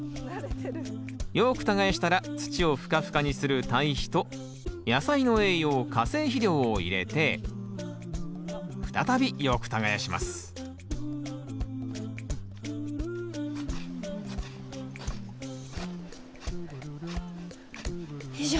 よく耕したら土をふかふかにする堆肥と野菜の栄養化成肥料を入れて再びよく耕しますよいしょ。